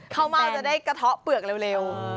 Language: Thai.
ข้าวเม่าจะได้กระเทาะเปลือกเร็ว